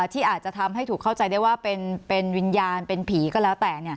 ที่อาจจะทำให้ถูกเข้าใจได้ว่าเป็นวิญญาณเป็นผีก็แล้วแต่